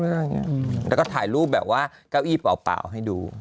แล้วก็ถ่ายรูปแบบว่าเก้าอี้เปล่าให้ดู